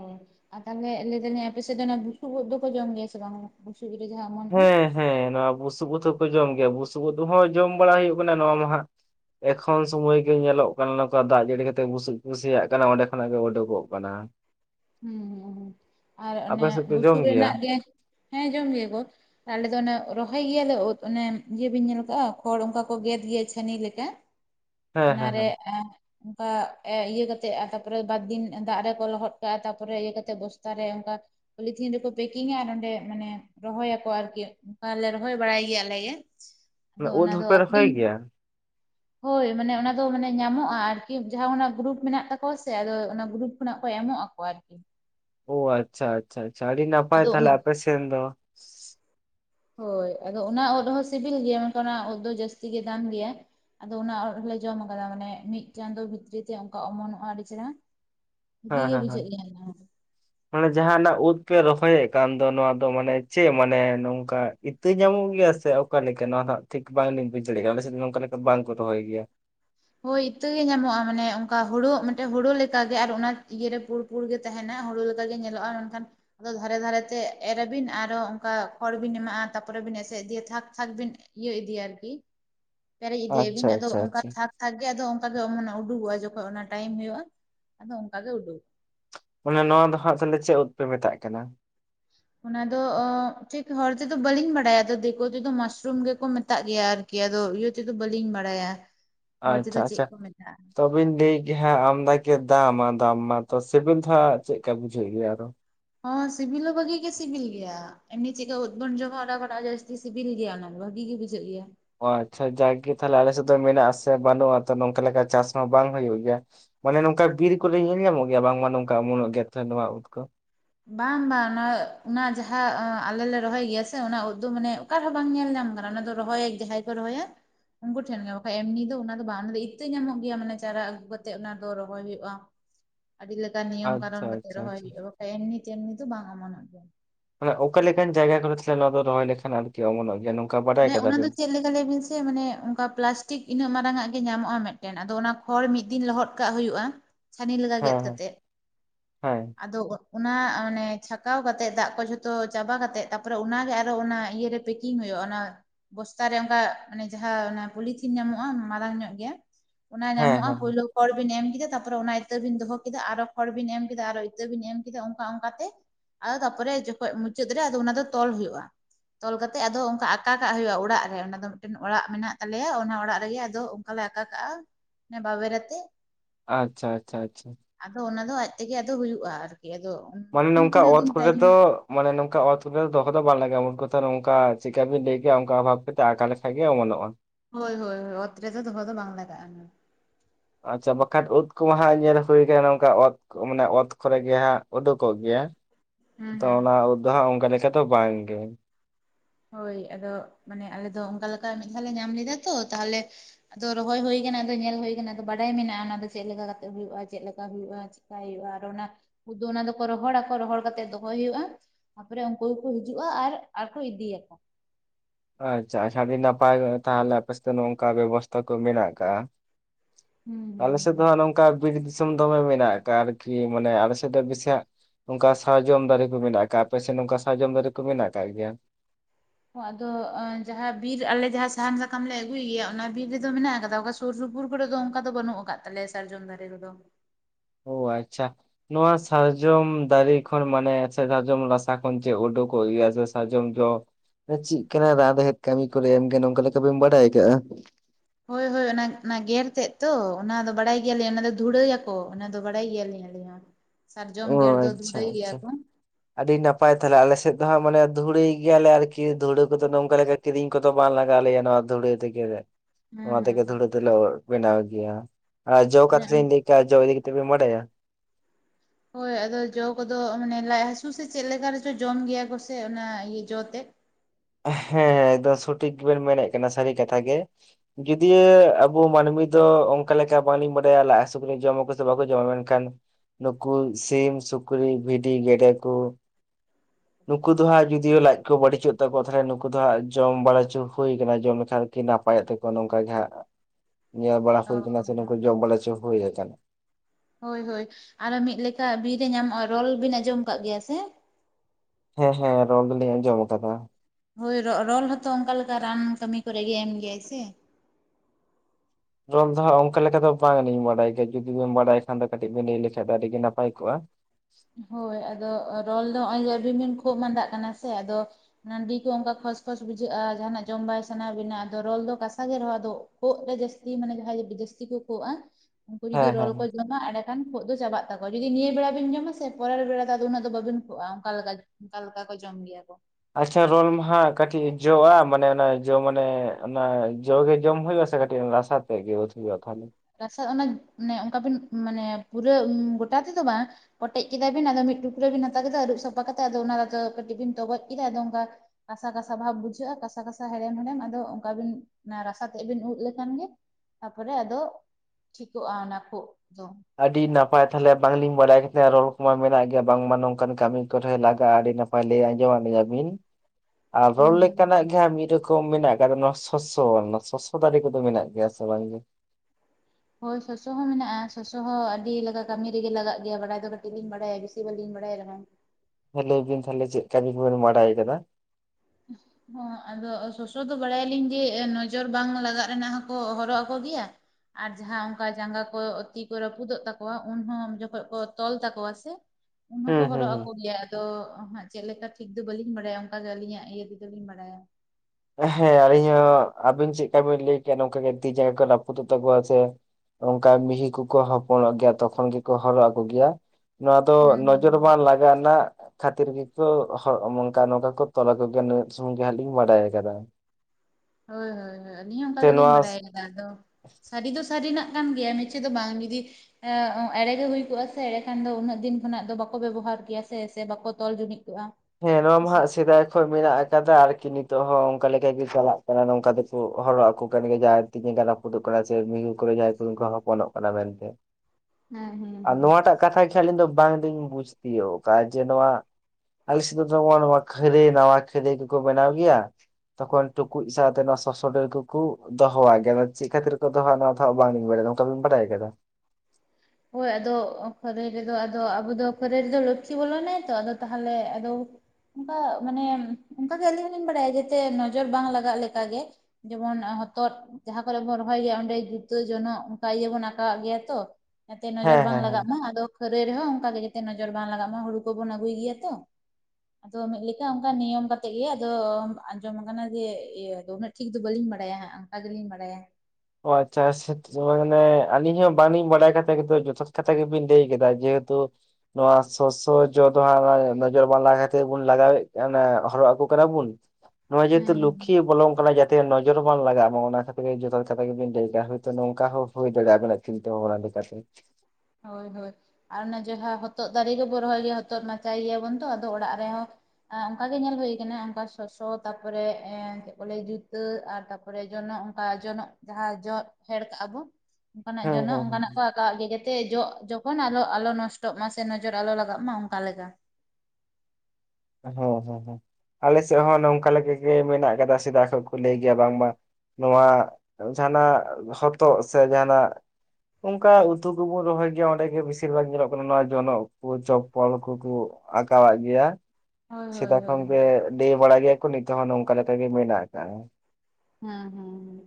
ᱟᱨ ᱛᱟᱦᱚᱞᱮ ᱞᱟᱹᱭ ᱫᱟᱹᱞᱤᱧ ᱟᱯᱮᱥᱮᱜ ᱫᱚ ᱚᱱᱟ ᱵᱩᱥᱩᱵ ᱩᱫ ᱫᱚᱠᱚ ᱡᱚᱢ ᱜᱮᱭᱟ ᱥᱮ ᱵᱟᱝ? ᱵᱩᱥᱩᱵ ᱨᱮ ᱡᱟᱦᱟᱸ ᱚᱢᱚᱱᱚᱜ-ᱟ᱾ ᱦᱮᱸ ᱦᱮᱸ ᱱᱚᱣᱟ ᱵᱩᱥᱩᱵ ᱩᱫ ᱦᱚᱸᱠᱚ ᱡᱚᱢ ᱜᱮᱭᱟ ᱵᱩᱥᱩᱵ ᱩᱫ ᱦᱚᱸ ᱡᱚᱢ ᱵᱟᱲᱟ ᱦᱩᱭᱩᱜ ᱠᱟᱱᱟ ᱱᱚᱣᱟ ᱢᱟ ᱦᱟᱸᱜ᱾ ᱮᱠᱷᱚᱱ ᱥᱚᱢᱚᱭ ᱜᱮ ᱧᱮᱞᱚᱜ ᱠᱟᱱᱟ ᱱᱚᱝᱠᱟ ᱫᱟᱜᱽ ᱡᱟᱹᱲᱤ ᱠᱟᱛᱮᱜ ᱵᱩᱥᱩᱵ ᱠᱩ ᱥᱤᱭᱟᱜ ᱠᱟᱱᱟ ᱚᱸᱰᱮ ᱠᱷᱚᱱᱟᱜ ᱜᱮ ᱩᱰᱩᱠᱚᱜ ᱠᱟᱱᱟ᱾ ᱦᱩᱸ ᱦᱩᱸ ᱦᱩᱸ ᱟᱨ ᱟᱯᱮ ᱚᱱᱮ ᱥᱮᱫ ᱯᱮ ᱡᱚᱢ ᱵᱩᱥᱩᱵ ᱜᱮᱭᱟ ᱨᱮᱱᱟᱜ ᱜᱮ ᱦᱮᱸ ᱡᱚᱢ ᱜᱮᱭᱟ ᱠᱚ᱾ ᱟᱞᱮ ᱫᱚ ᱚᱱᱮ ᱨᱚᱦᱚᱭ ᱜᱮᱭᱟᱞᱮ ᱳᱫ, ᱚᱱᱮ ᱤᱭᱟᱹ ᱵᱤᱱ ᱧᱮᱞ ᱠᱟᱜᱼᱟ ᱠᱷᱚᱲ ᱚᱱᱠᱟ ᱠᱚ ᱜᱮᱫ ᱜᱮᱭᱟ ᱪᱷᱟᱹᱱᱤ ᱞᱮᱠᱟ? *inaudible* ᱦᱮᱸ ᱦᱮᱸ ᱚᱱᱟᱨᱮ ᱦᱮᱸ ᱮᱸ ᱚᱝᱠᱟ ᱮ ᱤᱭᱟᱹ ᱠᱟᱛᱮᱜ ᱛᱟᱯᱚᱨᱮ ᱵᱟᱨ ᱫᱤᱱ ᱫᱟᱜᱽ ᱨᱮᱠᱚ ᱞᱚᱦᱚᱫ ᱠᱟᱜᱼᱟ ᱛᱟᱯᱚᱨᱮ ᱤᱭᱟᱹ ᱠᱟᱛᱮ ᱵᱚᱥᱛᱟᱨᱮ ᱚᱝᱠᱟ ᱯᱚᱞᱤᱛᱷᱤᱱ ᱨᱮᱠᱚ ᱯᱮᱠᱤᱝᱟ ᱟᱨ ᱱᱚᱸᱰᱮ ᱢᱟᱱᱮ ᱨᱚᱦᱚᱭᱟᱠᱚ ᱟᱨᱠᱤ ᱚᱝᱠᱟᱞᱮ ᱨᱚᱦᱚᱭ ᱵᱟᱲᱟᱭ ᱜᱮᱭᱟ ᱟᱞᱮᱜᱮ᱾ ᱟᱫᱚ ᱩᱫ ᱚᱱᱟ ᱫᱚ ᱦᱚᱸᱯᱮ ᱨᱚᱦᱚᱭ ᱟᱹᱠᱷᱨᱤᱧ ᱜᱮᱭᱟ ᱦᱳᱭ ᱢᱟᱱᱮ ᱚᱱᱟ ᱫᱚ ᱢᱟᱱᱮ ᱧᱟᱢᱚᱜ-ᱟ ᱟᱨᱠᱤ ᱡᱟᱦᱟᱸ ᱚᱱᱟ ᱜᱨᱩᱯ ᱢᱮᱱᱟᱜ ᱛᱟᱠᱚᱣᱟ ᱥᱮ ᱟᱫᱚ ᱚᱱᱟ ᱜᱨᱩᱯ ᱠᱷᱚᱱᱟᱜ ᱠᱚ ᱮᱢᱚᱜ-ᱟ᱾ ᱠᱚ ᱟᱨᱠᱤ᱾ ᱚ ᱟᱪᱪᱷᱟ ᱟᱪᱪᱷᱟ ᱟᱪᱪᱷᱟ ᱟᱹᱰᱤ ᱱᱟᱯᱟᱭ ᱟᱫᱚ ᱛᱟᱦᱚᱞᱮ ᱟᱯᱮ ᱥᱮᱱ ᱫᱚ᱾ ᱦᱳᱭ ᱟᱫᱚ ᱚᱱᱟ ᱩᱫ ᱦᱚᱸ ᱥᱤᱵᱤᱞ ᱜᱮᱭᱟ ᱢᱮᱱᱠᱷᱟᱱ ᱚᱱᱟ ᱩᱫ ᱫᱚ ᱡᱟᱹᱥᱛᱤ ᱜᱮ ᱫᱟᱢ ᱜᱮᱭᱟ᱾ ᱟᱫᱚ ᱚᱱᱟᱲᱟᱜ ᱦᱚᱞᱮ ᱡᱚᱢ ᱠᱟᱫᱟ ᱢᱟᱱᱮ ᱢᱤᱜ ᱪᱟᱸᱫᱳ ᱵᱷᱤᱛᱨᱤ ᱛᱮ ᱚᱱᱠᱟ ᱚᱢᱚᱱᱚᱜ-ᱟ ᱟᱹᱰᱤ ᱪᱮᱨᱦᱟ᱾ ᱦᱮᱸ ᱦᱮᱸ ᱦᱚᱭ᱾ ᱢᱟᱱᱮ ᱡᱟᱦᱟᱸᱱᱟᱜ ᱩᱫ ᱯᱮ ᱨᱚᱦᱚᱭᱮᱫ ᱠᱟᱱ ᱫᱚ ᱱᱚᱣᱟ ᱫᱚ ᱢᱟᱱᱮ ᱪᱮᱫ ᱢᱟᱱᱮ ᱱᱚᱝᱠᱟ ᱤᱛᱟᱹ ᱧᱟᱢᱚᱜ ᱜᱮᱭᱟ ᱥᱮ ᱚᱠᱟᱮ ᱞᱮᱠᱟ ᱱᱚᱣᱟ ᱦᱟᱜ ᱴᱷᱤᱠ ᱵᱟᱝᱞᱤᱧ ᱵᱩᱡ ᱫᱟᱲᱮᱭᱟᱜᱭᱟ ᱟᱞᱮᱫ ᱫᱚ ᱱᱚᱝᱠᱟ ᱞᱮᱠᱟ ᱵᱟᱝᱠᱚ ᱨᱚᱦᱚᱭ ᱜᱮᱭᱟ᱾ ᱦᱳᱭ ᱤᱛᱟᱹᱜ ᱜᱮ ᱧᱟᱢᱚᱜ-ᱟ ᱢᱟᱱᱮ ᱚᱱᱠᱟ ᱦᱳᱲᱳ ᱢᱮᱱ ᱦᱳᱲᱳ ᱞᱮᱠᱟᱜᱮ ᱟᱨ ᱚᱱᱟ ᱤᱭᱟᱹᱨᱮ ᱯᱩ ᱯᱩᱲ ᱜᱮ ᱛᱟᱦᱮᱱᱟ ᱦᱩᱲᱳ ᱞᱮᱠᱟᱜ ᱜᱮ ᱧᱮᱞᱚᱜ-ᱟ ᱢᱮᱱᱠᱷᱟᱱ ᱟᱫᱚ ᱫᱷᱟᱨᱮ ᱫᱷᱟᱨᱮᱛᱮ ᱮᱨᱵᱤᱱ ᱟᱨᱚ ᱚᱱᱠᱟ ᱠᱷᱚᱲ ᱵᱤᱱ ᱮᱢᱟᱜ-ᱟ ᱛᱟᱨᱯᱚᱨᱮ ᱵᱤᱱ ᱮᱥᱮᱫ ᱫᱤᱭᱤᱭᱟ ᱛᱷᱟᱠ ᱛᱷᱟᱠ ᱵᱤᱱ ᱤᱭᱟᱹ ᱤᱫᱤᱭᱟ ᱟᱨᱠᱤ ᱯᱮᱨᱮᱡ ᱤᱫᱤᱭᱟᱵᱤᱱ ᱟᱪᱪᱷᱟ ᱟᱫᱚ ᱟᱪᱪᱷᱟ ᱚᱱᱠᱟ ᱟᱪᱪᱷᱟ ᱛᱷᱟᱠ ᱛᱷᱟᱠ ᱜᱮ ᱟᱫᱚ ᱚᱱᱠᱟᱜᱮᱟᱱᱮ ᱩᱰᱩᱠᱚᱜ-ᱟ ᱡᱚᱠᱷᱚᱱ ᱚᱱᱟ ᱴᱟᱭᱤᱢ ᱦᱩᱭᱩᱜ-ᱟ ᱟᱫᱚ ᱚᱱᱠᱟᱜᱮ ᱩᱰᱩᱠᱚᱜ-ᱟ᱾ ᱢᱟᱱᱮ ᱱᱚᱣᱟ ᱫᱚ ᱦᱟᱸᱜ ᱛᱟᱦᱚᱞᱮ ᱪᱮᱫ ᱩᱫ ᱯᱮ ᱢᱮᱛᱟᱜ ᱠᱟᱱᱟ? ᱚᱱᱟ ᱫᱚ ᱴᱷᱤᱠ ᱦᱚᱲ ᱛᱮᱫᱚ ᱵᱟᱹᱞᱤᱧ ᱵᱟᱲᱟᱭᱟ ᱛᱚ ᱛᱮᱫᱚ ᱢᱟᱥᱨᱩᱢ ᱜᱮᱠᱚ ᱢᱮᱛᱟᱜ ᱜᱮᱭᱟ ᱟᱨᱠᱤ ᱠᱮᱭᱟ ᱟᱫᱚ ᱤᱭᱟᱹ ᱛᱮᱫᱚ ᱵᱟᱹᱞᱤᱧ ᱵᱟᱲᱟᱭᱟ᱾ ᱦᱚᱲ ᱟᱪᱪᱷᱟ ᱛᱮᱫᱚ ᱪᱮᱫ ᱟᱪᱪᱷᱟ ᱠᱚ ᱢᱮᱛᱟᱜᱼᱟ ᱛᱚ ᱵᱤᱧ ᱞᱟᱹᱭ ᱜᱮ ᱦᱟᱸᱜ ᱟᱢᱫᱟ ᱠᱤ ᱫᱟᱢᱟ ᱫᱟᱢ ᱢᱟ ᱛᱚ ᱥᱮᱵᱤᱞ ᱫᱚ ᱦᱟᱸᱜ ᱪᱮᱫ ᱠᱟ ᱵᱩᱡᱷᱟᱹᱜ ᱜᱮᱭᱟ ᱟᱨᱚ ᱦᱚᱸ ᱥᱤᱵᱤᱞ ᱦᱚᱸ ᱵᱷᱟᱹᱜᱤ ᱜᱮ ᱥᱤᱵᱤᱞ ᱜᱮᱭᱟ ᱮᱢᱱᱤ ᱪᱤᱠᱠᱟ ᱩᱫᱽ ᱵᱚᱱ ᱡᱚᱢᱟ ᱚᱱᱟ ᱠᱷᱚᱱᱟᱜ ᱡᱟᱹᱥᱛᱤ ᱥᱤᱵᱤᱞ ᱜᱮᱭᱟ ᱚᱱᱟ ᱫᱚ ᱵᱷᱟᱜᱤ ᱜᱮ ᱵᱩᱡᱷᱟᱹᱜ ᱜᱮᱭᱟ᱾ ᱚ ᱟᱪᱪᱷᱟ ᱡᱟᱜᱜᱮ ᱛᱟᱦᱚᱞᱮ ᱟᱞᱮᱥᱮᱫ ᱫᱚ ᱢᱮᱱᱟᱜ ᱟᱥᱮ ᱵᱟᱹᱱᱩᱜ-ᱟ ᱛᱚ ᱱᱚᱝᱠᱟ ᱞᱮᱠᱟ ᱪᱟᱥ ᱢᱟ ᱵᱟᱝ ᱦᱩᱭᱩᱜ ᱜᱮᱭᱟ᱾ ᱢᱟᱱᱮ ᱱᱚᱝᱠᱟ ᱵᱤᱨ ᱠᱚᱨᱮ ᱧᱮᱞ ᱧᱟᱢᱚᱜ ᱜᱮᱭᱟ ᱵᱟᱝ ᱱᱚᱝᱠᱟ ᱚᱢᱚᱱᱚᱜ ᱜᱮᱭᱟ ᱱᱚᱣᱟ ᱩᱫ ᱠᱚ ᱵᱟᱝ ᱵᱟᱝ ᱚᱱᱟ ᱚᱱᱟ ᱡᱟᱦᱟᱸ ᱟᱞᱮ ᱞᱮ ᱨᱚᱦᱚᱭ ᱜᱮᱭᱟ ᱥᱮ ᱚᱱᱟ ᱩᱫ ᱫᱚ ᱢᱟᱱᱮ ᱚᱠᱟ ᱨᱮ ᱦᱚᱸ ᱵᱟᱝ ᱧᱮᱞ ᱧᱟᱢ ᱠᱟᱱᱟ ᱚᱱᱟ ᱫᱚ ᱨᱚᱦᱚᱭ ᱠᱚ ᱨᱚᱦᱚᱭᱟ ᱩᱱᱠᱩ ᱴᱷᱮᱱ ᱜᱮ ᱵᱟᱠᱟᱱ ᱮᱢᱱᱤ ᱫᱚ ᱚᱱᱟ ᱫᱚ ᱵᱟᱝ ᱤᱛᱟᱹ ᱧᱟᱢᱚᱜ ᱜᱮᱭᱟ ᱢᱟᱱᱮ ᱪᱟᱨᱟ ᱟᱹᱜᱩ ᱠᱟᱛᱮᱜ ᱚᱱᱟ ᱫᱚ ᱨᱚᱦᱚᱭ ᱦᱩᱭᱩᱜ-ᱟ᱾ ᱟᱹᱰᱤ ᱞᱮᱠᱟᱱ ᱱᱤᱭᱚᱢ ᱠᱟᱨᱚᱱ ᱟᱪᱪᱷᱟ ᱠᱟᱛᱮ ᱟᱪᱪᱷᱟ ᱨᱚᱦᱚᱭ ᱟᱪᱪᱷᱟ ᱦᱩᱭᱩᱜ-ᱟ ᱵᱟᱠᱷᱟᱱ ᱮᱢᱱᱤ ᱮᱢᱱᱤ ᱫᱚ ᱵᱟᱝ ᱚᱢᱚᱱᱚᱜ ᱜᱮᱭᱟ᱾ ᱢᱟᱱᱮ ᱚᱠᱟ ᱞᱮᱠᱟᱱ ᱡᱟᱭᱜᱟ ᱠᱚᱨᱮ ᱱᱚᱣᱟ ᱫᱚ ᱨᱚᱦᱚᱭ ᱞᱮᱠᱷᱟᱱ ᱟᱨᱠᱤ ᱚᱢᱚᱱᱚᱜ ᱜᱮᱭᱟ ᱱᱚᱝ ᱾ ᱢᱟᱱᱮ ᱚᱱᱟ ᱫᱚ ᱪᱮᱫ ᱞᱟᱹᱭ ᱞᱮᱭᱟ ᱵᱤᱱ ᱥᱮ ᱢᱟᱱᱮ ᱚᱱᱠᱟ ᱯᱞᱟᱥᱴᱤᱠ ᱤᱱᱟᱹᱜ ᱢᱟᱨᱟᱝ ᱟ ᱜᱮ ᱧᱟᱢᱚᱜ-ᱟ ᱢᱤᱫᱴᱮᱱ ᱟᱫᱚ ᱚᱱᱟ ᱠᱷᱚᱲ ᱢᱤᱫ ᱫᱤᱱ ᱞᱚᱦᱚᱫ ᱠᱟᱜ ᱦᱩᱭᱩᱜ-ᱟ ᱪᱷᱟᱹᱱᱤ ᱞᱮᱠᱟ ᱜᱮᱫ ᱦᱮᱸ ᱠᱟᱛᱮ ᱦᱮᱸ ᱟᱫᱚ ᱚᱱᱟ ᱟᱱᱮ ᱪᱷᱟᱠᱟᱣ ᱠᱟᱛᱮᱜ ᱫᱟᱜ ᱠᱚ ᱡᱷᱚᱛᱚ ᱪᱟᱵᱟ ᱠᱟᱛᱮᱜ ᱛᱟᱯᱚᱨᱮ ᱚᱱᱟᱜᱮ ᱟᱨᱚ ᱚᱱᱟ ᱤᱭᱟᱹᱨᱮ ᱯᱮᱠᱤᱝ ᱦᱩᱭᱩᱜ-ᱟ᱾ ᱚᱱᱟ ᱵᱚᱥᱛᱟ ᱨᱮ ᱚᱱᱠᱟ ᱢᱟᱱᱮ ᱡᱟᱦᱟᱸ ᱯᱚᱞᱤᱛᱷᱤᱱ ᱧᱟᱢᱚᱜ-ᱟ ᱢᱟᱨᱟᱝ ᱧᱚᱜ ᱜᱮᱭᱟ᱾ ᱚᱱᱟ ᱦᱮᱸ ᱦᱮᱸ ᱧᱟᱢᱚᱜ-ᱟ ᱦᱮᱸ ᱯᱳᱭᱞᱳ ᱠᱷᱚᱲ ᱵᱤᱱ ᱮᱢ ᱠᱮᱫᱟ ᱛᱟᱨᱯᱚᱨᱮ ᱚᱱᱟ ᱤᱛᱟᱹ ᱵᱤᱱ ᱫᱚᱦᱚ ᱟᱨᱚ ᱠᱷᱚᱲ ᱵᱤᱱ ᱮᱢ ᱠᱮᱫᱟ ᱟᱨᱚ ᱤᱛᱟᱹ ᱵᱤᱱ ᱮᱢ ᱠᱮᱫᱟ ᱚᱱᱠᱟ ᱚᱱᱠᱟᱛᱮ ᱟᱫᱚ ᱛᱟᱯᱚᱨᱮ ᱡᱚᱠᱷᱚᱱ ᱢᱩᱪᱟᱹᱫ ᱨᱮ ᱟᱫᱚ ᱚᱱᱟ ᱫᱚ ᱛᱚᱞ ᱦᱩᱭᱩᱜ-ᱟ ᱛᱚᱞ ᱠᱟᱛᱮ ᱟᱫᱚ ᱚᱱᱠᱟ ᱟᱠᱟ ᱠᱟᱜ ᱦᱩᱭᱩᱜ-ᱟ ᱚᱲᱟᱜ ᱨᱮ ᱚᱱᱟ ᱫᱚ ᱢᱤᱫᱴᱮᱱ ᱚᱲᱟᱜ ᱢᱮᱱᱟᱜ ᱛᱟᱞᱮᱭᱟ ᱚᱱᱟ ᱚᱲᱟᱜ ᱨᱮᱜᱮ ᱟᱫᱚ ᱚᱱᱠᱟ ᱞᱮ ᱟᱠᱟ ᱠᱟᱜ-ᱟ᱾ ᱵᱟᱵᱮᱨ ᱟᱛᱮᱡ᱾ ᱟᱪᱪᱷᱟ ᱟᱪᱪᱷᱟ ᱟᱪᱪᱷᱟ᱾ ᱟᱫᱚ ᱚᱱᱟ ᱫᱚ ᱟᱡ ᱛᱮᱜᱮ ᱟᱫᱚ ᱦᱩᱭᱩᱜ-ᱟ ᱟᱨᱠᱤ ᱟᱫᱚ ᱢᱟᱱᱮ ᱱᱚᱝᱠᱟ ᱛᱤᱱᱟᱹᱜ ᱚᱛ ᱫᱤᱱ ᱠᱚᱨᱮ ᱴᱟᱭᱤᱢ ᱫᱚ ᱢᱟᱱᱮ ᱱᱚᱝᱠᱟ ᱚᱛᱵ ᱫᱚᱦᱚ ᱫᱚ ᱵᱟᱝ ᱞᱟᱜᱟᱜ-ᱟ ᱩᱱ ᱠᱟᱛᱷᱟ ᱱᱚᱝᱠᱟ ᱪᱮᱠᱟ ᱵᱤᱱ ᱞᱟᱹᱭ ᱠᱮᱭᱟ ᱚᱱᱠᱟ ᱚᱷᱟᱵ ᱠᱟᱛᱮ ᱟᱠᱟ ᱞᱮᱠᱷᱟᱡ ᱜᱮ ᱚᱢᱚᱱᱚᱜ-ᱟ᱾ ᱦᱳᱭ ᱦᱳᱭ ᱚᱛ ᱨᱮᱫᱚ ᱫᱚ ᱵᱟᱝ ᱞᱟᱜᱟᱜ-ᱟ᱾ ᱟᱪᱪᱷᱟ ᱵᱟᱠᱷᱟᱱ ᱩᱫᱽ ᱠᱚᱢᱟ ᱦᱟᱜ ᱧᱮᱞ ᱦᱩᱭᱩ ᱠᱟᱱᱟ ᱱᱚᱝᱠᱟ ᱚᱛ ᱢᱟᱱᱮ ᱚᱛ ᱠᱚᱨᱮ ᱜᱮ ᱦᱟᱸᱜ ᱩᱰᱩᱠᱚᱜ ᱜᱮᱭᱟ᱾ ᱦᱩᱸ ᱛᱚ ᱦᱩᱸ ᱚᱱᱟ ᱩᱫᱽ ᱫᱚ ᱦᱟᱸᱜ ᱚᱱᱠᱟ ᱞᱮᱠᱟ ᱫᱚ ᱵᱟᱝᱜᱮ᱾ ᱦᱳᱭ ᱟᱫᱚ ᱢᱟᱱᱮ ᱟᱞᱮ ᱫᱚ ᱚᱱᱠᱟ ᱞᱮᱠᱟ ᱢᱤᱫ ᱫᱷᱟᱣ ᱞᱮ ᱧᱟᱢ ᱞᱮᱫᱟ ᱛᱚ ᱛᱟᱦᱚᱞᱮ ᱟᱫᱚ ᱨᱚᱦᱚᱭ ᱦᱩᱭ ᱟᱠᱟᱱᱟ ᱟᱫᱚ ᱧᱮᱞ ᱦᱩᱭ ᱠᱟᱱᱟ ᱟᱫᱚ ᱵᱟᱰᱟᱭ ᱢᱮᱱᱟᱜ-ᱟ ᱚᱱᱟᱫᱚ ᱪᱮᱫ ᱠᱟᱛᱮᱜ ᱦᱩᱭᱩᱜ-ᱟ ᱪᱮᱫᱞᱮᱠᱟ ᱦᱩᱭᱩᱜ-ᱟ᱾ ᱪᱮᱠᱟᱭ ᱦᱩᱭᱩᱜ-ᱟ ᱟᱨ ᱚᱱᱟ ᱩᱫ ᱚᱱᱟ ᱫᱚᱠᱚ ᱨᱚᱦᱚᱲᱟᱠᱚ ᱨᱚᱦᱚᱲ ᱠᱟᱛᱮ ᱫᱚᱦᱚᱭ ᱦᱩᱭᱩᱜ-ᱟ᱾ ᱛᱟᱨᱯᱚᱨᱮ ᱩᱱᱠᱩ ᱜᱮᱠᱚ ᱦᱤᱡᱩᱜᱼᱟ ᱟᱨ ᱟᱨ ᱠᱚ ᱤᱫᱤᱭᱟᱠᱚ ᱾ ᱟᱪᱪᱷᱟ ᱟᱪᱪᱷᱟ ᱟᱹᱰᱤ ᱱᱟᱯᱟᱭ ᱛᱟᱦᱚᱞᱮ ᱟᱯᱮ ᱥᱮᱫ ᱫᱚ ᱱᱚᱝᱠᱟ ᱵᱮᱵᱚᱥᱛᱟ ᱠᱚ ᱢᱮᱱᱟᱜ ᱟᱠᱟᱜᱼᱟ ᱾ ᱦᱩᱸ ᱟᱞᱮ ᱦᱩᱸ ᱥᱮᱫ ᱦᱩᱸ ᱫᱚ ᱦᱟᱸᱜ ᱱᱚᱝᱠᱟ ᱵᱤᱨ ᱫᱤᱥᱚᱢ ᱫᱚᱢᱮ ᱢᱮᱱᱟᱜ ᱟᱠᱟᱫᱼᱟ ᱟᱨᱠᱤ ᱢᱟᱱᱮ ᱟᱞᱮ ᱥᱮᱫ ᱫᱚ ᱵᱮᱥᱤ ᱦᱟᱸᱜ ᱚᱱᱠᱟ ᱥᱟᱨᱡᱚᱢ ᱫᱟᱨᱮ ᱠᱚ ᱢᱮᱱᱟᱜ ᱟᱠᱟᱜᱼᱟ ᱟᱯᱮ ᱥᱮᱫ ᱚᱱᱠᱟ ᱥᱟᱨᱡᱚᱢ ᱫᱟᱨᱮ ᱠᱚ ᱢᱮᱱᱟᱜ ᱠᱟᱜ ᱜᱮᱭᱟ? ᱦᱚᱸ ᱟᱫᱚ ᱡᱟᱦᱟᱸ ᱵᱤᱨ ᱟᱞᱮ ᱡᱟᱦᱟᱸ ᱥᱟᱦᱟᱱ ᱥᱟᱠᱟᱢ ᱞᱮ ᱟᱹᱜᱩᱭ ᱜᱮᱭᱟ ᱚᱱᱟ ᱵᱤᱨ ᱨᱮᱫᱚ ᱢᱮᱱᱟᱜ ᱟᱠᱟᱫᱟ ᱚᱠᱟ ᱥᱩᱨ ᱥᱩᱯᱩᱨ ᱠᱚᱨᱮ ᱫᱚ ᱚᱱᱠᱟ ᱫᱚ ᱵᱟᱱᱩ ᱠᱟᱫ ᱛᱟᱞᱮᱭᱟ ᱥᱟᱨᱡᱚᱢ ᱫᱟᱨᱮ ᱠᱚᱫᱚ ᱾ ᱚᱳ ᱟᱪᱪᱷᱟ ᱾ ᱱᱚᱣᱟ ᱥᱟᱨᱡᱚᱢ ᱫᱟᱨᱮ ᱠᱷᱚᱱ ᱢᱟᱱᱮ ᱥᱟᱨᱡᱚᱢ ᱨᱟᱥᱟ ᱠᱷᱚᱱ ᱪᱮ ᱳᱰᱳᱠᱚᱜ ᱜᱮᱭᱟ ᱥᱮ ᱥᱟᱨᱡᱚᱢ ᱡᱚ ᱪᱮᱫ ᱠᱟᱱᱟ ᱨᱟᱱ ᱨᱮᱦᱮᱫ ᱠᱟᱹᱢᱤ ᱠᱚᱨᱮ ᱮᱢ ᱜᱟᱱᱚ ᱱᱚᱝᱠᱟ ᱞᱮᱠᱟ ᱵᱤᱱ ᱵᱟᱲᱟᱭ ᱟᱠᱟᱜᱼᱟ᱾ ᱦᱳᱭ ᱦᱳᱭ ᱾ ᱚᱱᱟ ᱚᱱᱟ ᱜᱮᱨ ᱛᱮᱫ ᱛᱚ ᱚᱱᱟ ᱫᱚ ᱵᱟᱲᱟᱭ ᱜᱮᱭᱟᱞᱤᱧ ᱚᱱᱟ ᱫᱚ ᱫᱷᱩᱲᱟᱹᱭ ᱟᱠᱚ ᱚᱱᱟ ᱫᱚ ᱵᱟᱲᱟᱭ ᱜᱮᱭᱟᱞᱤᱧ ᱟᱹᱞᱤᱧ ᱾ ᱥᱟᱨᱡᱚᱢ ᱚ ᱜᱮᱨ ᱫᱚ ᱟᱪᱪᱷᱟ ᱫᱷᱩᱲᱟᱹᱭ ᱜᱮᱭᱟ ᱟᱪᱪᱷᱟ ᱠᱚ ᱾ ᱟᱹᱰᱤ ᱱᱟᱯᱟᱭ ᱛᱟᱦᱚᱞᱮ ᱟᱞᱮ ᱥᱮᱫ ᱫᱚ ᱦᱟᱸᱜ ᱢᱟᱱᱮ ᱫᱷᱩᱲᱟᱹᱭ ᱜᱮᱭᱟᱞᱮ ᱟᱨᱠᱤ ᱫᱷᱩᱲᱟᱹ ᱠᱚᱫᱚ ᱱᱚᱝᱠᱟ ᱞᱮᱠᱟ ᱠᱤᱨᱤᱧ ᱠᱚᱫᱚ ᱵᱟᱝ ᱞᱟᱜᱟᱣ ᱟᱞᱮᱭᱟ ᱱᱚᱣᱟ ᱫᱷᱩᱲᱟᱹ ᱛᱮᱜᱮ ᱱᱚᱣᱟ ᱦᱮᱸ ᱛᱮᱜᱮ ᱫᱷᱩᱲᱟᱹᱫᱚᱞᱮ ᱵᱮᱱᱟᱣ ᱜᱮᱭᱟ ᱟᱨ ᱡᱚ ᱠᱟᱛᱷᱟᱧ ᱦᱮᱸ ᱞᱤᱧ ᱡᱚ ᱤᱫᱤ ᱠᱟᱛᱮᱫ ᱵᱤᱱ ᱵᱟᱰᱟᱭᱟ? ᱦᱳᱭ ᱟᱫᱚ ᱡᱚ ᱠᱚᱫᱚ ᱢᱟᱱᱮ ᱞᱟᱡ ᱦᱟᱹᱥᱩ ᱥᱮ ᱪᱮᱫ ᱞᱮᱠᱟ ᱨᱮᱪᱚ ᱡᱚᱢ ᱜᱮᱭᱟ ᱠᱚᱥᱮ ᱚᱱᱟ ᱤᱭᱟᱹ ᱡᱚ ᱛᱮᱫ? ᱦᱮᱸ ᱮᱠᱫᱚᱢ ᱥᱚᱴᱷᱤᱠ ᱵᱮᱱ ᱢᱮᱱᱮᱫ ᱠᱟᱱᱟ ᱥᱟᱹᱨᱤ ᱠᱟᱛᱷᱟ ᱜᱮ᱾ ᱡᱩᱚᱫᱤᱭᱳ ᱟᱵᱚ ᱢᱟᱹᱱᱢᱤ ᱫᱚ ᱚᱱᱠᱟ ᱞᱮᱠᱟ ᱵᱟᱹᱞᱤᱧ ᱵᱟᱰᱟᱭᱟ ᱞᱟᱡ ᱦᱟᱹᱥᱩᱧ ᱡᱚᱢᱟᱠᱚ ᱥᱮ ᱵᱟᱠᱚ ᱡᱚᱢᱟ ᱢᱮᱱᱠᱷᱟᱱ ᱱᱩᱠᱩ ᱥᱤᱢ ᱥᱩᱠᱨᱤ ᱵᱷᱤᱰᱤ ᱜᱮᱰᱮ ᱠᱚ ᱱᱩᱠᱩ ᱫᱚ ᱦᱟᱸᱜ ᱡᱩᱫᱤᱭᱳ ᱞᱟᱡ ᱠᱚ ᱵᱟᱹᱲᱤᱡᱚᱜ ᱛᱟᱠᱚ ᱛᱟᱦᱚᱞᱮ ᱱᱩᱠᱩ ᱫᱚ ᱦᱟᱸᱜ ᱡᱚᱢ ᱵᱟᱲᱟ ᱦᱚᱪᱚ ᱦᱩᱭ ᱟᱠᱟᱱᱟ ᱡᱚᱢ ᱞᱮᱠᱷᱟᱱ ᱟᱨᱠᱤ ᱱᱟᱯᱟᱭᱚᱜ ᱛᱟᱠᱚᱣᱟ ᱱᱚᱝᱠᱟ ᱜᱮ ᱦᱟᱸᱜ᱾ *unintelligible* ᱧᱮᱞ ᱵᱟᱲᱟ ᱚ ᱦᱩᱭ ᱠᱟᱱᱟ ᱚ ᱥᱮ ᱱᱩᱠᱩ ᱡᱚᱢ ᱵᱟᱲᱟ ᱪᱚ ᱦᱩᱭ ᱟᱠᱟᱱᱟ ᱾ ᱦᱳᱭ ᱦᱳᱭ ᱟᱨ ᱢᱤᱫ ᱞᱮᱠᱟ ᱵᱤᱨ ᱨᱮ ᱧᱟᱢᱚᱜᱼᱟ ᱨᱳᱞ ᱵᱤᱱ ᱟᱸᱢᱚᱢ ᱟᱠᱟᱫ ᱜᱮᱭᱟ ᱥᱮ? ᱦᱮᱸ ᱦᱮᱸ ᱨᱳᱞ ᱫᱚᱞᱤᱧ ᱟᱸᱡᱚᱢ ᱟᱠᱟᱫᱟ ᱾ ᱦᱳᱭ ᱨᱚᱞ ᱦᱚᱸᱛᱚ ᱚᱱᱠᱟ ᱞᱮᱠᱟ ᱨᱟᱱ ᱠᱟᱹᱢᱤ ᱠᱚᱨᱮ ᱜᱮ ᱮᱢ ᱜᱮᱭᱟᱭ ᱥᱮ᱾ ᱨᱚᱞ ᱫᱚ ᱦᱟᱸᱜ ᱚᱱᱠᱟ ᱞᱮᱠᱟ ᱫᱚ ᱵᱟᱝ ᱟᱹᱞᱤᱧ ᱵᱟᱲᱟᱭ ᱜᱮᱭᱟ, ᱡᱩᱫᱤ ᱵᱮᱱ ᱵᱟᱲᱟᱭ ᱠᱷᱟᱱ ᱫᱚ ᱠᱟᱹᱴᱤᱡ ᱵᱮᱱ ᱞᱟᱹᱭ ᱞᱮᱠᱷᱟᱱᱡ ᱫᱚ ᱟᱹᱰᱤᱜ ᱱᱟᱯᱟᱭ ᱠᱚᱜᱼᱟ? ᱦᱳᱭ ᱟᱫᱚ ᱨᱚᱞ ᱫᱚ ᱱᱚᱜ ᱚᱭ ᱡᱮ ᱨᱤᱢᱤᱞ ᱠᱚ ᱵᱟᱸᱫᱟ ᱠᱟᱱᱟ ᱥᱮ ᱟᱫᱚ ᱱᱟᱰᱤᱨᱤ ᱠᱚ ᱚᱱᱠᱟ ᱠᱷᱚᱥ ᱠᱷᱚᱥ ᱵᱩᱡᱷᱟᱹᱜᱼᱟ ᱡᱟᱦᱟ ᱱᱟᱜ ᱡᱚᱢ ᱵᱟᱭ ᱥᱟᱱᱟ ᱵᱤᱱᱟ ᱟᱫᱚ ᱨᱚᱞ ᱫᱚ ᱠᱟᱥᱟ ᱜᱮ ᱨᱮᱦᱚᱸ ᱟᱫᱚ ᱾ ᱠᱷᱳᱜ ᱨᱮ ᱡᱟᱹᱥᱛᱤ ᱢᱟᱱᱮ ᱡᱟᱦᱟᱸᱭ ᱡᱟᱹᱥᱛᱤ ᱠᱚ ᱠᱷᱳᱜᱼᱟ ᱩᱱᱠᱩ ᱡᱩᱫᱤ ᱦᱮᱸ ᱦᱮᱸ ᱨᱚᱞ ᱠᱚ ᱦᱮᱸ ᱡᱚᱢᱟ ᱮᱸᱰᱮᱠᱷᱟᱱ ᱠᱷᱳᱜ ᱫᱚ ᱪᱟᱵᱟᱜ ᱛᱟᱠᱚᱣᱟ ᱡᱩᱫᱤ ᱱᱤᱭᱟᱹ ᱵᱮᱲᱟ ᱵᱤᱱ ᱡᱚᱢᱟ ᱟᱥᱮ ᱯᱚᱨᱮᱨ ᱵᱮᱲᱟ ᱫᱚ ᱟᱫᱚ ᱩᱱᱟᱹᱜ ᱫᱚ ᱵᱟᱟᱹᱵᱤᱱ ᱠᱷᱜᱼᱟ ᱚᱱᱠᱟ ᱞᱮᱠᱟ ᱚᱱᱠᱟ ᱞᱮᱠᱟ ᱠᱚ ᱡᱚᱢ ᱜᱮᱭᱟ ᱠᱚ ᱾ ᱟᱪᱪᱷᱟ ᱨᱚᱞ ᱢᱟ ᱦᱟᱸᱜ ᱠᱟᱹᱴᱤᱡ ᱡᱚᱜᱼᱟ ᱢᱟᱱᱮ ᱚᱱᱟ ᱡᱚ ᱢᱟᱱᱮ ᱚᱱᱟ ᱡᱚ ᱜᱮ ᱡᱚᱢ ᱦᱩᱭᱩ ᱟᱥᱮ ᱠᱟᱹᱴᱤᱡ *inaudible* ᱨᱟᱥᱟ ᱚᱱᱟ ᱟᱱᱮ ᱚᱱᱠᱟ ᱵᱤᱱ ᱢᱟᱱᱮ ᱯᱩᱨᱟᱹ ᱜᱚᱴᱟ ᱛᱮᱫᱚ ᱵᱟᱝ ᱠᱚᱴᱮᱡ ᱠᱮᱫᱟ ᱵᱤᱱ ᱟᱫᱚ ᱢᱤᱫ ᱴᱩᱠᱨᱟᱹ ᱵᱤᱱ ᱦᱟᱛᱟᱣ ᱠᱮᱫᱟ ᱟᱨᱩᱯ ᱥᱟᱯᱷᱟ ᱠᱟᱛᱮᱫ ᱟᱫᱚ ᱚᱱᱟ ᱟᱫᱚ ᱠᱟᱹᱴᱤᱡ ᱵᱤᱱ ᱛᱚᱜᱚᱡ ᱠᱮᱫᱟ ᱟᱫᱚ ᱚᱱᱠᱟ ᱠᱟᱥᱟ ᱠᱟᱥᱟ ᱵᱷᱟᱵ ᱵᱩᱡᱷᱟᱹᱜᱼᱟ ᱠᱟᱥᱟ ᱠᱟᱥᱟ ᱦᱮᱨᱮᱢ ᱦᱮᱨᱮᱢ ᱟᱫᱚ ᱚᱱᱠᱟ ᱵᱤᱱ ᱚᱱᱟ ᱨᱟᱥᱟ ᱛᱮ ᱵᱤᱱ ᱩᱫ ᱞᱮᱠᱷᱟᱱ ᱜᱮ ᱛᱟᱯᱚᱨᱮ ᱟᱫᱚ ᱴᱷᱤᱠᱚᱜᱼᱟ ᱚᱱᱟ ᱠᱷᱳ ᱫᱚ ᱾ ᱟᱹᱰᱤ ᱱᱟᱯᱟᱭ ᱛᱟᱦᱚᱞᱮ ᱵᱟᱝᱞᱤᱧ ᱵᱟᱲᱟᱭ ᱠᱟᱱ ᱛᱟᱦᱮᱸᱱᱟ ᱨᱚᱞ ᱠᱚᱢᱟ ᱢᱮᱱᱟᱜ ᱜᱮᱭᱟ ᱵᱟᱝᱢᱟ ᱱᱚᱝᱠᱟᱱ ᱠᱟᱹᱢᱤ ᱠᱚᱨᱮᱚ ᱞᱟᱜᱟᱜᱼᱟ ᱟᱹᱰᱤ ᱱᱟᱯᱟᱭ᱾ ᱞᱟᱹᱭ ᱟᱸᱡᱚᱢᱟ ᱞᱮᱭᱟᱵᱤᱱ ᱟᱨ ᱦᱩᱸ ᱨᱚᱞ ᱦᱩᱸ ᱞᱮᱠᱟᱱᱟᱜ ᱦᱩᱸ ᱜᱮ ᱦᱟᱸᱜ ᱢᱤᱫ ᱨᱚᱠᱚᱢ ᱠᱚ ᱢᱮᱱᱟᱜ ᱟᱠᱟᱫᱟ ᱱᱚᱣᱟ ᱥᱚᱥᱚ ᱥᱚᱥᱚ ᱫᱟᱨᱮ ᱠᱚᱫᱚ ᱢᱮᱱᱟᱜ ᱜᱮᱭᱟ ᱥᱮ ᱵᱟᱝ ᱜᱮ? ᱦᱳᱭ ᱥᱚᱥᱳ ᱦᱚᱸ ᱢᱮᱱᱟᱜᱼᱟ, ᱥᱚᱥᱳ ᱦᱚᱸ ᱟᱹᱰᱤ ᱞᱮᱠᱟ ᱠᱟᱹᱢᱤ ᱨᱮᱜᱮ ᱞᱟᱜᱟᱜ ᱜᱮᱭᱟ ᱵᱟᱰᱟᱭ ᱫᱚ ᱠᱟᱹᱴᱤᱡ ᱞᱤᱧ ᱵᱟᱲᱟᱭᱟ ᱵᱤᱥᱤ ᱵᱟᱟᱹᱞᱤᱧ ᱵᱟᱲᱟᱭᱟ ᱨᱮᱦᱚᱸ ᱾ ᱛᱟᱦᱚᱞᱮ ᱞᱟᱭ ᱵᱤᱱ ᱛᱟᱦᱚᱞᱮ ᱪᱮᱫ ᱠᱟᱹᱢᱤ ᱠᱚᱵᱤᱱ ᱵᱟᱲᱟᱭ ᱟᱠᱟᱫᱟ ᱾ *unintelligible* ᱟᱫᱚ ᱥᱚᱥᱚ ᱫᱚ ᱵᱟᱲᱟᱭ ᱟᱞᱤᱧ ᱡᱮ ᱱᱚᱡᱚᱨ ᱵᱟᱝ ᱞᱟᱜᱟᱜ ᱨᱮᱱᱟᱜ ᱦᱚᱠᱚᱸ ᱦᱚᱨᱚᱜ ᱟᱠᱚ ᱜᱮᱭᱟ᱾ ᱟᱨ ᱡᱟᱦᱟᱸ ᱚᱱᱠᱟ ᱡᱟᱸᱜᱟ ᱠᱚ ᱛᱤ ᱠᱚ ᱨᱟᱹᱯᱩᱫᱚᱜ ᱛᱟᱠᱚᱣᱟ ᱩᱱᱦᱚᱸ ᱡᱚᱠᱷᱚᱭ ᱠᱚ ᱛᱚᱞ ᱛᱟᱠᱚᱣᱟ ᱥᱮ ᱩᱱ ᱦᱚᱸᱠᱚ ᱦᱩᱸ ᱦᱩᱸ ᱦᱚᱨᱚᱜ ᱦᱩᱸ ᱟᱠᱚ ᱜᱮᱭᱟ ᱟᱫᱚ ᱦᱟᱸᱜ ᱪᱮᱫ ᱞᱮᱠᱟ ᱴᱷᱤᱠ ᱫᱚ ᱵᱟᱹᱞᱤᱧ ᱵᱟᱲᱟᱭᱟ ᱚᱱᱠᱟ ᱜᱮ ᱟᱹᱞᱤᱧᱟᱜ ᱤᱭᱟᱹ ᱛᱮᱫᱚ ᱞᱤᱧ ᱵᱟᱲᱟᱭᱟ᱾ ᱦᱮᱸ ᱟᱹᱞᱤᱧ ᱦᱚᱸ ᱟᱵᱤᱱ ᱪᱤᱜᱠᱟ ᱵᱤᱱ ᱞᱟᱹᱭ ᱠᱮᱜᱼᱟ, ᱱᱚᱝᱠᱟ ᱜᱮ ᱛᱤ ᱡᱟᱸᱜᱟ ᱠᱚ ᱨᱟᱹᱯᱩᱫᱚᱜ ᱛᱟᱠᱚᱣᱟ ᱥᱮ ᱚᱝᱠᱟ ᱢᱤᱦᱤ ᱠᱚᱠᱚ ᱦᱚᱯᱚᱱᱚᱜ ᱜᱮᱭᱟ ᱛᱚᱠᱷᱚᱱ ᱜᱮᱠᱚ ᱦᱚᱨᱚᱜ ᱟᱠᱚ ᱜᱮᱭᱟ᱾ ᱱᱚᱣᱟ ᱫᱚ ᱦᱩᱸ ᱱᱚᱡᱚᱨ ᱵᱟᱝ ᱞᱟᱡᱼᱼ ᱠᱟᱱᱟ ᱠᱷᱟᱹᱛᱤᱨ ᱜᱮᱠᱚ ᱦᱚᱨᱚ ᱢᱚᱱᱠᱟ ᱱᱚᱠᱟ ᱠᱚ ᱛᱚᱞ ᱟᱠᱚᱜᱮ ᱱᱤᱱᱟᱹᱜ ᱥᱳᱢᱳᱭ ᱜᱮᱦᱟᱸᱜ ᱞᱤᱧ ᱵᱟᱰᱟᱭᱟ᱾ ᱠᱟᱫᱟ᱾ ᱦᱳᱭ ᱦᱳᱭ ᱦᱳᱭ ᱟᱹᱞᱤᱧ ᱦᱚᱸ ᱚᱱᱠᱟ ᱥᱮ ᱜᱮᱞᱤᱧ ᱱᱚᱣᱟ ᱵᱟᱰᱟᱭ ᱟᱠᱟᱫᱟ ᱟᱫᱚ ᱥᱟᱹᱨᱤ ᱫᱚ ᱥᱟᱹᱨᱤᱱᱟᱜ ᱠᱟᱱ ᱜᱮᱭᱟ ᱢᱤᱪᱷᱟᱹ ᱫᱚ ᱵᱟᱝ ᱡᱩᱫᱤᱼᱼ ᱮ ᱩᱸ ᱮᱲᱮ ᱜᱮ ᱦᱩᱭ ᱠᱚᱜᱼᱟ ᱥᱮ ᱮᱸᱲᱮ ᱠᱷᱟᱱ ᱫᱚ ᱩᱱᱟᱹᱜ ᱫᱤᱱ ᱠᱷᱚᱱᱟᱜ ᱫᱚ ᱵᱟᱠᱚ ᱵᱮᱵᱚᱦᱟᱨ ᱠᱮᱭᱟ ᱥᱮ ᱥᱮ ᱵᱟᱠᱚ ᱛᱚᱞ ᱡᱩᱱᱤᱡ ᱠᱚᱜᱼᱟ᱾ ᱦᱮᱸ ᱱᱚᱣᱟ ᱢᱟᱦᱟᱸᱜ ᱥᱮᱫᱟᱭ ᱠᱷᱚᱡ ᱢᱮᱱᱟᱜᱼᱟ᱾ ᱠᱟᱫᱟ ᱟᱨᱠᱤ ᱱᱤᱛᱚᱜ ᱦᱚᱸ ᱚᱱᱠᱟ ᱞᱮᱠᱟ ᱜᱮ ᱪᱟᱞᱟᱜ ᱠᱟᱱᱟ ᱱᱚᱝᱠᱟ ᱫᱚᱠᱚ ᱦᱚᱨᱚᱜ ᱟᱠᱚ ᱠᱟᱱ ᱜᱮᱭᱟ ᱡᱟᱦᱟᱸᱭ ᱛᱤ ᱡᱟᱸᱜᱟ ᱨᱟᱹᱯᱩᱫᱚᱜ ᱠᱟᱱᱟ ᱥᱮ ᱢᱤᱦᱩ ᱠᱚᱨᱮ ᱡᱟᱦᱟᱸᱭ ᱠᱚᱨᱮᱱ ᱠᱚ ᱦᱚᱯᱚᱱᱚᱜ ᱠᱟᱱᱟ ᱢᱮᱱᱛᱮ᱾ ᱦᱮᱸ ᱦᱮᱸ ᱟᱨ ᱦᱮᱸ ᱱᱚᱣᱟᱴᱟᱜ ᱠᱟᱛᱷᱟ ᱜᱮᱦᱟᱸᱜ ᱟᱹᱞᱤᱧ ᱫᱚ ᱵᱟᱝᱞᱤᱧ ᱵᱩᱡ ᱛᱤᱭᱳ ᱚᱠᱟᱜ ᱡᱮ ᱱᱚᱣᱟ ᱟᱞᱮ ᱥᱮᱫ ᱫᱚ ᱱᱚᱣᱟ ᱱᱚᱣᱟ ᱠᱷᱟᱹᱨᱟᱹᱭ ᱱᱟᱣᱟ ᱠᱷᱟᱹᱨᱟᱹᱭ ᱠᱚᱠᱚ ᱵᱮᱱᱟᱣ ᱜᱮᱭᱟ᱾ ᱛᱚᱠᱷᱚᱱ ᱛᱩᱠᱩᱡ ᱥᱟᱣᱛᱮ ᱱᱚᱣᱟ ᱥᱚᱥᱚ ᱰᱟᱹᱨ ᱠᱩᱠᱩᱼᱼ ᱫᱚᱦᱚᱣᱟᱜ ᱜᱮ ᱱᱚ ᱪᱮᱜ ᱠᱷᱟᱹᱛᱤᱨ ᱠᱚ ᱫᱚᱦᱚᱣᱟᱜ ᱱᱚᱣᱟ ᱫᱚᱦᱟᱸᱜ ᱵᱟᱝᱞᱤᱧ ᱵᱟᱲᱟᱭᱟ ᱱᱚᱝᱠᱟ ᱵᱤᱱ ᱵᱟᱰᱟᱭ ᱟᱠᱟᱫᱟ? ᱦᱳᱭ ᱟᱫᱚ ᱠᱷᱟᱹᱨᱟᱹᱭ ᱨᱮᱫᱚ ᱟᱫᱚ ᱟᱵᱚ ᱫᱚ ᱠᱷᱟᱹᱨᱟᱹᱭ ᱨᱮᱫᱚ ᱞᱚᱠᱠᱷᱤ ᱵᱚᱞᱚᱱᱟᱭ ᱛᱚ ᱟᱫᱚ ᱛᱟᱦᱞᱮ ᱟᱫᱚ ᱚᱱᱠᱟ ᱢᱟᱱᱮ ᱚᱱᱠᱟᱜᱮ ᱟᱹᱞᱤᱧ ᱦᱚᱞᱤᱧ ᱵᱟᱲᱟᱭᱟ ᱡᱟᱛᱮ ᱱᱚᱡᱚᱨ ᱵᱟᱝ ᱞᱟᱜᱟᱜ ᱞᱮᱠᱟ ᱜᱮ ᱡᱮᱢᱚᱱ ᱦᱚᱛᱚᱫ ᱡᱟᱦᱟᱸ ᱠᱚᱨᱮ ᱵᱚᱱ ᱨᱚᱦᱚᱭ ᱜᱮᱭᱟ ᱚᱸᱰᱮ ᱡᱩᱛᱟᱹ ᱡᱚᱱᱚᱜ ᱚᱝᱠᱟ ᱤᱭᱟᱹ ᱵᱚᱱ ᱟᱸᱠᱟᱣᱟᱜ ᱜᱮᱭᱟ ᱛᱚ᱾ ᱡᱟᱛᱮ ᱱᱚᱡᱚᱨ ᱦᱮᱸ ᱵᱟᱝ ᱦᱮᱸ ᱦᱮᱸ ᱞᱟᱜᱟᱜ ᱢᱟ ᱟᱫᱚ ᱠᱷᱟᱹᱨᱟᱹᱭ ᱨᱮᱦᱚᱸ ᱚᱝᱠᱟ ᱜᱮ ᱡᱟᱛᱮ ᱱᱚᱡᱚᱨ ᱵᱟᱝ ᱞᱟᱜᱟᱜ ᱢᱟ ᱦᱩᱲᱩ ᱠᱚᱵᱚᱱ ᱟᱹᱜᱩᱭ ᱜᱮᱭᱟ ᱛᱚ᱾ ᱟᱫᱚ ᱢᱤᱫ ᱞᱮᱠᱟ ᱚᱝᱠᱟ ᱱᱤᱭᱚᱢ ᱠᱟᱛᱮᱜ ᱜᱮ ᱟᱫᱚ ᱟᱸᱡᱚᱢ ᱟᱠᱟᱱᱟ ᱡᱮ ᱤᱭᱟᱹ ᱩᱱᱟᱹᱜᱼᱼ ᱴᱷᱤᱠ ᱫᱚ ᱵᱟᱹᱞᱤᱧ ᱵᱟᱲᱟᱭᱟ ᱦᱟᱸᱜ ᱚᱝᱠᱟ ᱜᱮᱞᱤᱧ ᱵᱟᱲᱟᱭᱟ᱾ ᱚ ᱟᱪᱪᱷᱟ ᱢᱟᱱᱮ ᱟᱹᱞᱤᱧ ᱦᱚᱸ ᱵᱟᱝᱞᱤᱧ ᱵᱟᱰᱟᱭ ᱠᱟᱛᱮᱜ ᱜᱮᱛᱚ ᱡᱚᱛᱷᱟᱛ ᱠᱟᱛᱷᱟ ᱜᱮᱵᱤᱱ ᱞᱟᱹᱭ ᱠᱮᱫᱟ ᱡᱮᱦᱮᱛᱩ ᱱᱚᱣᱟ ᱥᱚᱥᱚ ᱡᱚ ᱫᱚᱦᱟᱸᱜ ᱱᱚᱡᱚᱨ ᱵᱟᱝ ᱞᱟᱜᱟᱜ ᱠᱷᱟᱹᱛᱤᱨ ᱵᱩᱱ ᱞᱟᱜᱟᱣᱮᱜ ᱠᱟᱱᱟ, ᱦᱚᱨᱚᱜ ᱟᱠᱩ ᱠᱟᱱᱟ ᱵᱩᱱ᱾ ᱱᱚᱜᱼᱚᱭ ᱦᱮᱸ ᱡᱮᱦᱮᱛᱩ ᱦᱮᱸ ᱞᱚᱠᱠᱷᱤ ᱵᱚᱞᱚᱝ ᱠᱟᱱᱟᱭ ᱡᱟᱛᱮ ᱱᱚᱡᱚᱨ ᱵᱟᱝ ᱞᱟᱜᱟᱜ ᱢᱟ ᱚᱱᱟ ᱠᱷᱟᱹᱛᱤᱨ ᱜᱮ ᱡᱚᱛᱚ ᱴᱷᱤᱠ ᱠᱟᱛᱷᱟ ᱜᱮᱵᱤᱱ ᱞᱟᱹᱭ ᱠᱟᱜᱼᱟ, ᱦᱳᱭ ᱛᱚ ᱱᱚᱝᱠᱟ ᱦᱚᱸ ᱦᱩᱭ ᱫᱟᱲᱮᱜᱼᱟ ᱟᱵᱮᱱᱟᱜ ᱪᱤᱱᱛᱟᱹ ᱵᱷᱟᱵᱱᱟ ᱞᱮᱠᱟᱛᱮ᱾ ᱦᱳᱭ ᱦᱳᱭ ᱟᱨ ᱚᱱᱟ ᱡᱟᱦᱟᱸ ᱦᱚᱛᱚᱫ ᱫᱟᱨᱮ ᱜᱮᱵᱚᱱ ᱨᱚᱦᱚᱭ ᱜᱮᱭᱟ ᱦᱚᱛᱚᱫ ᱢᱟᱪᱟᱭ ᱜᱮᱭᱟᱵᱚᱱ ᱛᱚ ᱟᱫᱚ ᱚᱲᱟᱜ ᱨᱮᱦᱚᱸ ᱟᱸ ᱚᱱᱠᱟ ᱜᱮ ᱧᱮᱞ ᱦᱳᱭ ᱠᱟᱱᱟ ᱚᱱᱠᱟ ᱥᱚᱥᱚ ᱛᱟᱯᱚᱨᱮ ᱮᱸ ᱮᱱᱛᱮ ᱠᱚ ᱞᱟᱹᱭ ᱡᱩᱛᱟᱹ ᱟᱨ ᱛᱟ ᱯᱚᱨᱮ ᱡᱚᱱᱚᱜ ᱚᱝᱠᱟ ᱡᱚᱱᱚᱜ ᱡᱟᱦᱟᱸ ᱡᱚᱫ ᱦᱮᱲ ᱠᱟᱜᱼᱟ ᱵᱚ ᱚᱱᱠᱟᱱᱟᱜ ᱦᱮᱸ ᱡᱚᱱᱚᱜ ᱦᱮᱸ ᱦᱮᱸ ᱚᱱᱠᱟᱱᱟᱜ ᱠᱚ ᱟᱠᱟᱸ ᱟᱜ ᱜᱮ ᱡᱟᱛ ᱛᱮ ᱡᱚᱜ ᱡᱚᱠᱷᱚᱱ ᱟᱞᱚ ᱟᱞᱚ ᱱᱚᱥᱴᱚᱜ ᱢᱟ ᱥᱮ ᱱᱚᱡᱚᱨ ᱟᱞᱚ ᱞᱟᱜᱟᱜ ᱢᱟ ᱚᱝᱠᱟ ᱞᱮᱠᱟ᱾ ᱦᱚᱸ ᱦᱚᱸ ᱦᱚᱸ ᱟᱞᱮ ᱥᱮᱫ ᱦᱚᱸ ᱱᱚᱝᱠᱟ ᱞᱮᱠᱟᱜᱮ ᱢᱮᱱᱟᱜ ᱟᱠᱟᱫᱟ ᱥᱮᱫᱟᱭ ᱠᱷᱚᱱ ᱠᱚ ᱞᱟᱹᱭ ᱜᱮᱭᱟ ᱵᱟᱝ ᱵᱟ ᱱᱚᱣᱟ ᱡᱟᱦᱟᱸᱱᱟᱜ ᱦᱚᱛᱚᱜ ᱥᱮ ᱡᱟᱦᱟᱱᱟᱜ ᱩᱝᱠᱟ ᱩᱛᱩ ᱠᱚᱵᱚᱱ ᱨᱚᱦᱚᱭ ᱜᱮᱭᱟ ᱚᱸᱰᱮ ᱜᱮ ᱵᱤᱥᱤᱨ ᱵᱷᱟᱜᱽ ᱧᱮᱞᱚᱜ ᱠᱟᱱᱟ ᱱᱚᱣᱟ ᱡᱚᱱᱚᱜ ᱠᱩ ᱪᱚᱯᱚᱞ ᱠᱩᱠᱩ ᱟᱠᱟᱣᱟᱜ ᱜᱮᱭᱟ᱾ ᱦᱳᱭ ᱦᱳᱭ ᱥᱮᱫᱟᱭ ᱦᱳᱭ ᱠᱷᱚᱱ ᱦᱮᱸ ᱜᱮ ᱞᱟᱹᱭ ᱵᱟᱲᱟ ᱜᱮᱭᱟ ᱠᱚ ᱱᱤᱛᱚᱜ ᱦᱚᱸ ᱱᱚᱝᱠᱟ ᱞᱮᱠᱟᱜᱮ ᱢᱮᱱᱟᱜ ᱟᱠᱟᱜᱼᱟ᱾ ᱦᱩᱸ ᱦᱩᱸ ᱦᱩᱸ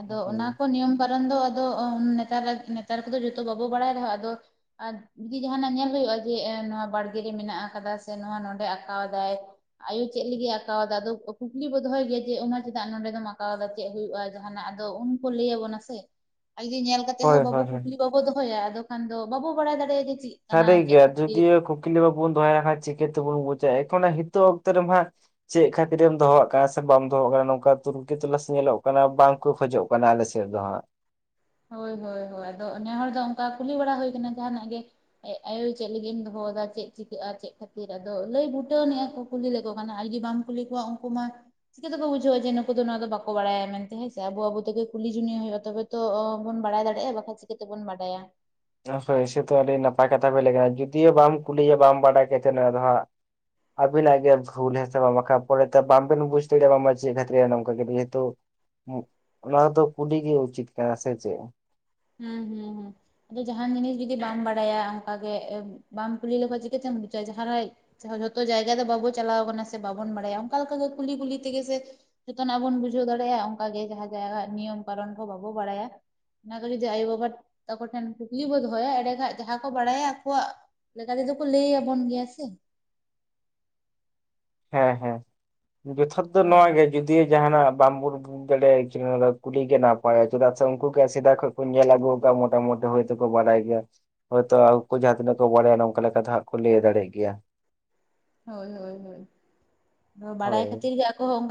ᱟᱫᱚ ᱚᱱᱟ ᱠᱚ ᱱᱤᱭᱚᱢ ᱠᱟᱨᱚᱱ ᱫᱚ ᱟᱫᱚ ᱚ ᱱᱮᱛᱟᱨ ᱨᱮ ᱱᱮᱛᱟᱨ ᱠᱚᱫᱚ ᱡᱚᱛᱚ ᱵᱟᱵᱚ ᱵᱟᱲᱟᱭ ᱨᱮᱦᱚᱸ ᱟᱫᱚ ᱟᱨ ᱡᱩᱫᱤ ᱡᱟᱦᱟᱱᱟᱜ ᱧᱮᱞ ᱦᱩᱭᱩᱜᱼᱟ ᱡᱮ ᱮ ᱱᱚᱣᱟ ᱵᱟᱲᱜᱮ ᱨᱮ ᱢᱮᱱᱟᱜ ᱟᱠᱟᱫᱟ ᱥᱮ ᱱᱚᱣᱟ ᱱᱚᱰᱮ ᱟᱠᱟᱣᱟᱫᱟᱭ᱾ ᱟᱭᱳ ᱪᱮᱜ ᱞᱤᱜᱤᱜ ᱟᱠᱟᱣᱟᱫᱟ ᱟᱫᱚ ᱠᱩᱠᱞᱤ ᱵᱚ ᱫᱚᱦᱚᱭ ᱜᱮᱭᱟ ᱡᱮ ᱚᱱᱟ ᱪᱮᱫᱟᱜ ᱱᱚᱰᱮ ᱫᱚᱢ ᱟᱠᱟᱣᱟᱫᱟ ᱪᱮᱜ ᱦᱩᱭᱩᱜᱼᱟ ᱡᱟᱦᱱᱟᱜ ᱟᱫᱚ ᱩᱱᱠᱚ ᱞᱟᱹᱭ ᱟᱵᱚᱱᱟ ᱥᱮ ᱟᱜᱮ ᱧᱮᱞ ᱠᱟᱛᱮ ᱦᱳᱭ ᱦᱚᱸ ᱵᱟᱵᱚ ᱦᱳᱭ ᱦᱳᱭ ᱠᱩᱠᱞᱤ ᱵᱟᱵᱚ ᱫᱚᱦᱚᱭᱟ ᱟᱫᱚ ᱠᱷᱟᱱ ᱫᱚ ᱵᱟᱵᱚ ᱵᱟᱲᱟᱭ ᱫᱟᱲᱮᱜᱼᱟ ᱡᱮ ᱪᱤᱜ ᱥᱟᱹᱨᱤ ᱜᱮ ᱡᱩᱫᱤᱭᱳ ᱠᱩᱠᱞᱤ ᱵᱟᱵᱚᱱ ᱫᱚᱦᱚᱭᱟ ᱦᱟᱸ ᱪᱤᱠᱟᱹ ᱛᱮᱵᱚᱱ ᱵᱩᱡᱟ ᱮᱠᱷᱚᱱᱟ ᱦᱤᱛᱚᱜ ᱚᱠᱛᱚ ᱨᱮᱢᱟ ᱪᱮᱜ ᱠᱷᱟᱹᱛᱤᱨᱮᱢ ᱫᱚᱦᱚᱣᱟᱜ ᱠᱟᱱᱟ ᱥᱮ ᱵᱟᱢ ᱫᱚᱦᱚ ᱣᱟᱠᱟᱫᱟ ᱱᱚᱝᱠᱟ ᱛᱩᱨᱠᱤ ᱛᱚᱞᱟᱥ ᱧᱮᱞᱚᱜ ᱠᱟᱱᱟ ᱵᱟᱝ ᱠᱚ ᱠᱷᱚᱡᱚᱜ ᱠᱟᱱᱟ ᱟᱞᱮᱥᱮᱫ ᱫᱚᱦᱟᱸᱜ᱾ ᱦᱳᱭ, ᱦᱳᱭ, ᱦᱳᱭ ᱟᱫᱚ ᱱᱮ ᱦᱚᱲ ᱫᱚ ᱚᱝᱠᱟ ᱠᱩᱞᱤ ᱵᱟᱲᱟ ᱦᱳᱭ ᱟᱠᱟᱱᱟ ᱡᱟᱦᱟᱱᱟᱜ ᱜᱮ ᱮᱜ ᱟᱭᱳ ᱪᱮᱜ ᱞᱟᱹᱜᱤᱜ ᱤᱧ ᱫᱚᱦᱚᱣᱟᱫᱟ ᱪᱮᱜ ᱪᱤᱠᱟᱹᱜᱼᱟ ᱪᱮᱜ ᱠᱷᱟᱹᱛᱤᱨ ᱟᱫᱚ ᱞᱟᱹᱭ ᱵᱩᱴᱟᱹᱣ ᱟᱱᱤᱡᱟᱠᱚ᱾ ᱠᱩᱞᱤ ᱞᱮᱠᱚ ᱠᱷᱟᱱ ᱟᱨ ᱡᱩᱫᱤ ᱵᱟᱢ ᱠᱩᱞᱤ ᱠᱚᱣᱟ ᱩᱝᱠᱩ ᱢᱟ ᱪᱤᱠᱟᱹᱛᱮᱠᱚ ᱵᱩᱡᱷᱟᱹᱣᱟ ᱡᱮ ᱱᱩᱠᱩ ᱫᱚ ᱱᱚᱣᱟ ᱫᱚ ᱵᱟᱠᱚ ᱵᱟᱲᱟᱭᱟ ᱢᱮᱱᱛᱮ ᱦᱮᱸᱥᱮ ᱟᱵᱚ ᱟᱵᱚ ᱛᱮᱜᱮ ᱠᱩᱞᱤ ᱡᱩᱱᱤᱭ ᱦᱩᱭᱩᱜᱼᱟ ᱛᱚᱵᱮ ᱛᱚ ᱚ ᱵᱟ ᱵᱚᱱ ᱵᱟᱲᱟᱭ ᱫᱟᱲᱮᱭᱟᱜᱼᱟ ᱵᱟᱠᱷᱟᱡ ᱪᱤᱠᱟᱹ ᱛᱮᱵᱚᱱ ᱵᱟᱰᱟᱭᱟ᱾ ᱦᱳᱭ ᱥᱮᱛᱚ ᱟᱹᱰᱤ ᱱᱟᱯᱟᱭ ᱠᱟᱛᱷᱟ ᱵᱮᱱ ᱞᱟᱹᱭ ᱠᱟᱱᱟ ᱡᱩᱫᱤᱭᱳ ᱵᱟᱢ ᱠᱩᱞᱤᱭᱭᱟ ᱵᱟᱢ ᱵᱟᱰᱟᱭ ᱠᱟᱛᱮᱫ ᱱᱚᱣᱟᱫᱚ ᱦᱟᱸᱜ ᱟᱵᱤᱱᱟᱜ ᱜᱮ ᱵᱷᱩᱞ ᱦᱮᱸ ᱥᱮ ᱵᱟᱝ ᱵᱟᱠᱷᱟᱡ ᱯᱚᱨᱮ ᱛᱮ ᱵᱟᱝ ᱵᱮᱱ ᱵᱩᱡᱽ ᱫᱟᱲᱮᱭᱟᱜ ᱟ ᱵᱟᱝ ᱢᱟ ᱪᱮᱫ ᱠᱷᱟᱹᱛᱤᱨ ᱮ ᱱᱚᱝᱠᱟ ᱠᱤᱫᱤᱧᱟ ᱛᱚ ᱚᱱᱟ ᱫᱚ ᱠᱩᱰᱤ ᱜᱮ ᱩᱪᱤᱛ ᱠᱟᱱᱟ ᱥᱮ ᱪᱮᱫ? ᱦᱩᱸ ᱦᱩᱸ ᱦᱩᱸ᱾ ᱟᱫᱚ ᱡᱟᱦᱟᱱ ᱡᱤᱱᱤᱥ ᱡᱩᱫᱤ ᱵᱟᱢ ᱵᱟᱲᱟᱭᱟ ᱚᱝᱠᱟ ᱜᱮ ᱵᱟᱢ ᱠᱩᱞᱤ ᱞᱮᱠᱷᱟᱡ‌ ᱪᱤᱠᱟᱹᱛᱮᱢ ᱵᱩᱡᱟ ᱡᱟᱦᱟᱸ ᱨᱮ ᱡᱟᱦᱟ ᱡᱷᱚᱛᱚ ᱡᱟᱭᱜᱟ ᱫᱚ ᱵᱟᱵᱚ ᱪᱟᱞᱟᱣ ᱠᱟᱱᱟ ᱥᱮ ᱵᱟᱵᱚᱱ ᱵᱟᱲᱟᱭᱟ ᱚᱱᱠᱟ ᱞᱮᱠᱟ ᱠᱩᱞᱤ ᱠᱩᱞᱤ ᱛᱮᱜᱮ ᱥᱮ ᱡᱚᱛᱚᱱᱟᱜ ᱵᱚᱱ ᱵᱩᱡᱷᱟᱹᱣ ᱫᱟᱲᱮᱭᱟᱜᱼᱟ ᱚᱝᱠᱟ ᱜᱮ ᱡᱟᱦᱟᱸ ᱡᱟᱭᱜᱟᱜ ᱱᱤᱭᱚᱢ ᱠᱟᱨᱚᱱ ᱠᱚ ᱵᱟᱵᱚ ᱵᱟᱲᱟᱭᱟ᱾ ᱚᱱᱟ ᱜᱮ ᱡᱩᱫᱤ ᱟᱭᱳ ᱵᱟᱵᱟ ᱛᱟᱠᱳ ᱴᱷᱮᱱ ᱠᱩᱠᱞᱤ ᱵᱚ ᱫᱚᱦᱚᱭᱟ ᱮᱸᱰᱮ ᱠᱷᱟᱡ ᱡᱟᱦᱟᱸ ᱠᱚ ᱵᱟᱲᱟᱭᱟ ᱟᱠᱚᱣᱟᱜ ᱞᱮᱠᱟ ᱛᱮᱫᱚ ᱠᱚ ᱞᱟᱹᱭ ᱟᱵᱚᱱ ᱜᱮᱭᱟ ᱥᱮ᱾ ᱦᱮᱸ ᱦᱮᱸ ᱡᱚᱛᱷᱟᱛ ᱫᱚ ᱦᱳᱭ ᱱᱚᱣᱟ ᱜᱮ ᱡᱚᱫᱤᱭᱳ ᱡᱟᱦᱟᱱᱟᱜ ᱵᱟᱢ ᱩᱨᱩᱵᱩ ᱵᱩᱡ ᱫᱟᱲᱮᱭᱟ ᱮᱠᱪᱩᱭᱮᱞᱤ ᱱᱚᱣᱟᱫᱚ ᱠᱩᱞᱤ ᱜᱮ ᱱᱟᱯᱟᱭᱟ ᱪᱮᱫᱟᱜ ᱥᱮ ᱩᱱᱠᱩ ᱜᱮ ᱥᱮᱫᱟᱭ ᱠᱷᱚᱡ ᱠᱚ ᱧᱮᱞ ᱟᱹᱜᱩ ᱠᱟᱜᱼᱟ ᱢᱚᱴᱟᱢᱩᱴᱤ ᱦᱳᱭ ᱛᱮᱠᱚ ᱵᱟᱲᱟᱭ ᱜᱮᱭᱟ ᱦᱚᱭᱛᱳ ᱟᱝᱠᱩ ᱡᱟᱦᱟᱸ ᱛᱤᱱᱟᱹᱜ ᱠᱚ ᱵᱟᱲᱟᱭᱟ ᱱᱚᱝᱠᱟ ᱞᱮᱠᱟᱛᱮ ᱦᱟᱸᱜ ᱠᱚ ᱞᱟᱹᱭ ᱫᱟᱲᱮᱭᱟᱜ ᱜᱮᱭᱟ᱾ ᱦᱳᱭ ᱦᱳᱭ ᱦᱳᱭ, ᱵᱟᱲᱟᱭ ᱦᱳᱭ ᱠᱷᱟᱹᱛᱤᱨ ᱜᱮ ᱟᱠᱚ ᱦᱚᱸ ᱚᱝᱠᱟ